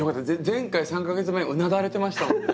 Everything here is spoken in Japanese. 前回３か月前うなだれてましたもんね。